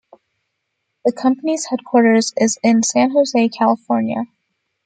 The company's headquarters is in San Jose, California.